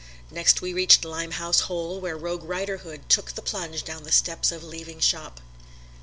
Next we reached Limehouse Hole, where Rogue Riderhood took the plunge down the steps of Leaving Shop.